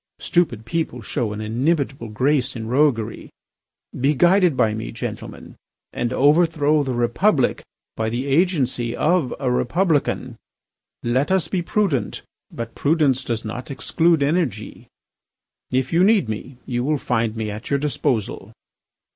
Stupid people show an inimitable grace in roguery. Be guided by me, gentlemen, and overthrow the Republic by the agency of a Republican. Let us be prudent. But prudence does not exclude energy. If you need me you will find me at your disposal."